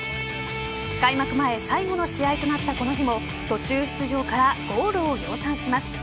開幕前最後の試合となったこの日も途中出場からゴールを量産します。